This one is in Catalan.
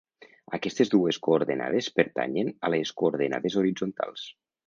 Aquestes dues coordenades pertanyen a les coordenades horitzontals.